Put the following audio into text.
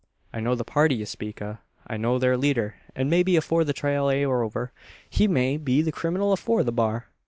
"I know the party ye speak o'. I know their leader; an maybe, afore the trial air over, he may be the kriminal afore the bar."